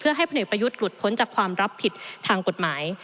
ให้พลเอกประยุทธ์หลุดพ้นจากความรับผิดทางกฎหมาย